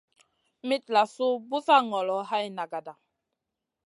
Mitlasou busa ŋolo hay nagata.